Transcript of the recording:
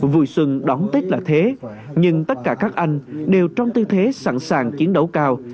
vui xuân đón tết là thế nhưng tất cả các anh đều trong tư thế sẵn sàng chiến đấu cao